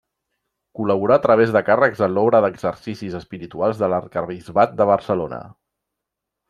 Col·laborà a través de càrrecs en l'Obra d'Exercicis Espirituals de l'Arquebisbat de Barcelona.